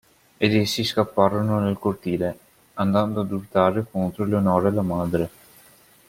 Ed essi scapparono nel cortile, andando ad urtare contro Eleonora e la madre.